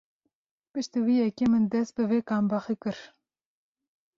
Piştî vê yekê min dest bi vê kambaxê kir!.